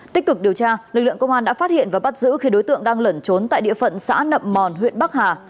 tích cực điều tra lực lượng công an đã phát hiện và bắt giữ khi đối tượng đang lẩn trốn tại địa phận xã nậm mòn huyện bắc hà